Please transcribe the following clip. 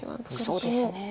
そうですね。